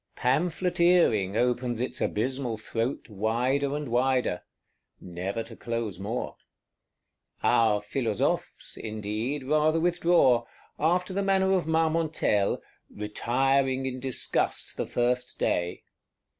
Pamphleteering opens its abysmal throat wider and wider: never to close more. Our Philosophes, indeed, rather withdraw; after the manner of Marmontel, "retiring in disgust the first day."